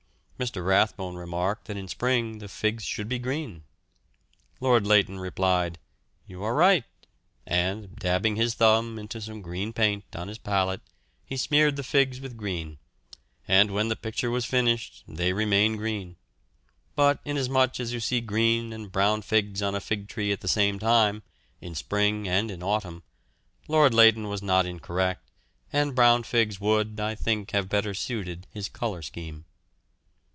Mr. Rathbone remarked that in spring the figs should be green. Lord Leighton replied, "You are right," and dabbing his thumb into some green paint on his palette he smeared the figs with green, and when the picture was finished they remained green; but inasmuch as you see green and brown figs on a fig tree at the same time, in spring and in autumn, Lord Leighton was not incorrect, and brown figs would, I think, have better suited his colour scheme.